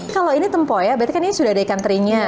kalau ini tempo ya berarti kan ini sudah ada ikan terinya